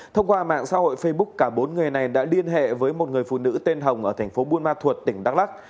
thông qua mạng xã hội facebook cả bốn người này đã liên hệ với một người phụ nữ tên hồng ở thành phố buôn ma thuột tỉnh đắk lắc